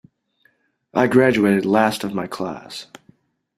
I graduated last of my class.